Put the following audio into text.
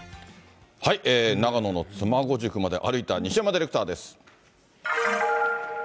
長野の妻籠宿まで歩いた西山ディレクターです。